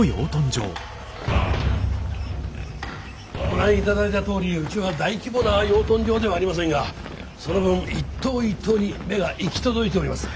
ご覧いただいたとおりうちは大規模な養豚場ではありませんがその分一頭一頭に目が行き届いております。